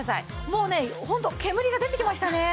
もうね本当煙が出てきましたね。